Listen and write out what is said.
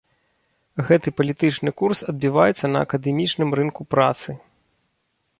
Гэты палітычны курс адбіваецца на акадэмічным рынку працы.